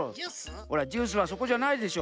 ほらジュースはそこじゃないでしょ。